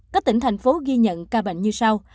các tỉnh thành phố ghi nhận ca bệnh như sau